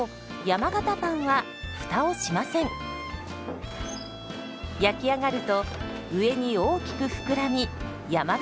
焼き上がると上に大きく膨らみ山型になるんです。